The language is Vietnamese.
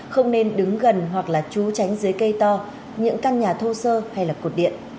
không nên đứng gần hoặc là trú tránh dưới cây to những căn nhà thô sơ hay là cột điện